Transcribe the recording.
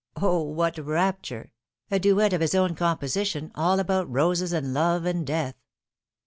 O, what rapture ! A duet of his own com position, all about roses and love and death.